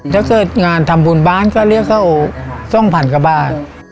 ถ้าเกิดงานทำบุญบ้านก็เลี้ยงเขา๒๐๐๐กบ